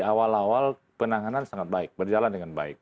awal awal penanganan sangat baik berjalan dengan baik